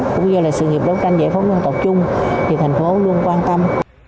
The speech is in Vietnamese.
cũng như là sự nghiệp đấu tranh giải phóng dân tộc chung thì thành phố luôn quan tâm